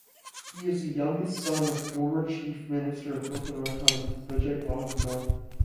He is the youngest son of Former Chief Minister of Uttarakhand Vijay Bahuguna.